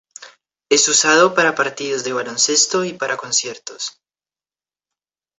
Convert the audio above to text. Es usado para partidos de baloncesto y para conciertos.